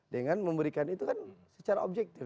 dengan memberikan itu kan secara objektif